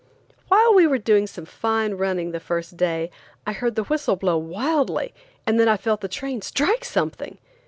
While we were doing some fine running the first day, I heard the whistle blow wildly, and then I felt the train strike something.